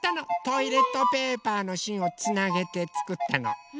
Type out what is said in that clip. トイレットペーパーのしんをつなげてつくったの。